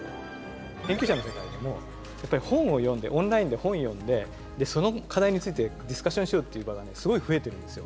研究者の世界でもやっぱり本を読んでオンラインで本読んでその課題についてディスカッションしようっていう場がすごい増えてるんですよ。